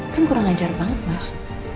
kan kurang ajar banget mas